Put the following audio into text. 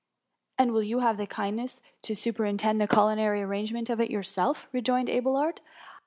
'* And will you have the kindness to super intend the culinary arrangement of it yourself?^ rejoined Abelard.